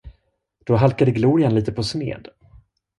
Då halkade glorian lite på sned.